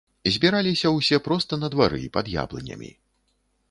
Збіраліся ўсе проста на двары, пад яблынямі.